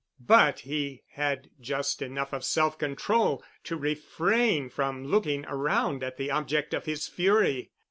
But he had just enough of self control to refrain from looking around at the object of his fury.